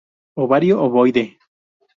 Ovario ovoide.